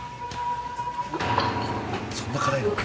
そんな辛いの？